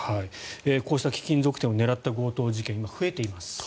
こうした貴金属店を狙った強盗事件が今、増えています。